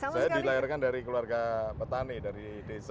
saya dilahirkan dari keluarga petani dari desa